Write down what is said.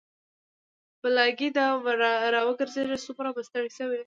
بلاګي د راوګرځه سومره به ستړى شوى وي